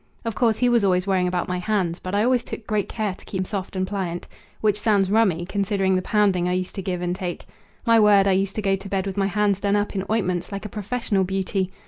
Of course he was always worrying about my hands; but I always took great care to keep them soft and pliant. Which sounds rummy, considering the pounding I used to give and take. My word, I used to go to bed with my hands done up in ointments like a professional beauty!